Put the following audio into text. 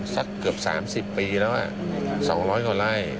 สักเกือบ๓๐ปีแล้ว๒๐๐กว่าไร่